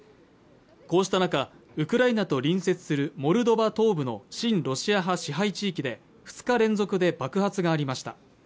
こうした中ウクライナと隣接するモルドバ東部の親ロシア派支配地域で２日連続で爆発がありました